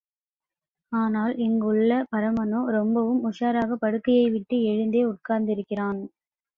ஆனால் இங்குள்ள பரமனோ, ரொம்பவும் உஷாராகப் படுக்கையை விட்டு, எழுந்தே உட்கார்ந்திருக்கிறான்.